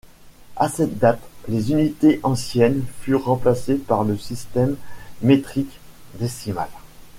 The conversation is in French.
À cette date les unités anciennes furent remplacées par le système métrique décimal.